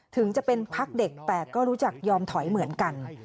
ถึงจะเป็นพักเด็กแต่ก็รู้จักยอมถอยเหมือนกัน